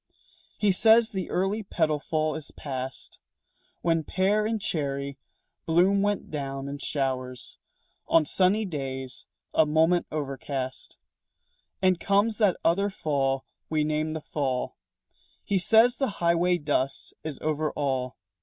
He says the early petal fall is past When pear and cherry bloom went down in showers On sunny days a moment overcast; And comes that other fall we name the fall. He says the highway dust is over all.